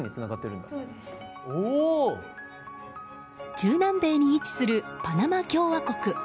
中南米に位置するパナマ共和国。